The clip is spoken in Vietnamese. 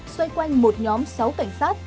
xoay quanh một nhóm sáu cảnh sát